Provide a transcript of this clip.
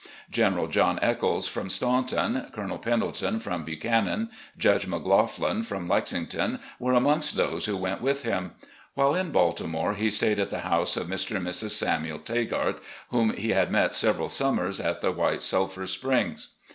General John Echols, from Staunton, Colonel Pendleton, from Buchanan, Judge McLaughlin, from Lexington, were amongst those who went with him. While in Baltimore he stayed at the house of Mr. and Mrs. Samuel Tagart, whom he had met several summers at the White Sulphur Springs.